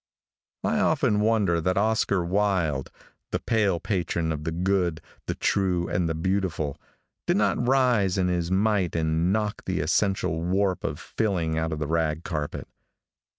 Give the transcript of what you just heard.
I often wonder that Oscar Wilde, the pale patron of the good, the true and the beautiful, did not rise in his might and knock the essential warp and filling out of the rag carpet.